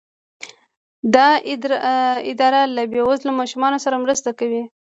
دا اداره له بې وزلو ماشومانو سره مرسته کوي.